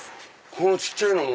この小っちゃいのも？